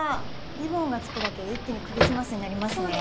リボンがつくだけで一気にクリスマスになりますね。